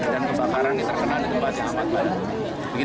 dan kebakaran terkenal di tempat yang amat padat